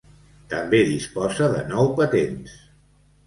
També disposa de nou patents.